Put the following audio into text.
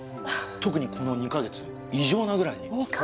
特にこの２カ月異常なぐらいに２カ月？